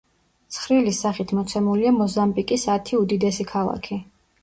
ცხრილის სახით მოცემულია მოზამბიკის ათი უდიდესი ქალაქი.